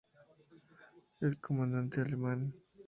El Comandante alemán.